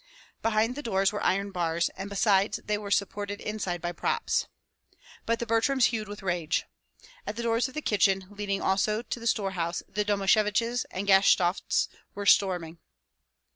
Behind the doors wore iron bars, and besides they were supported inside by props. But the Butryms hewed with rage. At the doors of the kitchen leading also to the storehouse the Domasheviches and Gashtovts were storming.